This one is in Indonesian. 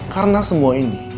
karena semua ini